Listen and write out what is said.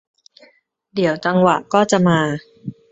เดี๋ยวจังหวะก็จะมา